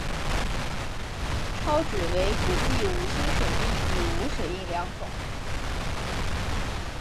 钞纸为古币五星水印与无水印两种。